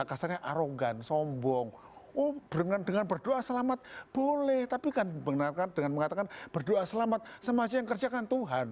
karena arogan sombong oh dengan berdoa selamat boleh tapi kan dengan mengatakan berdoa selamat sama saja yang kerjakan tuhan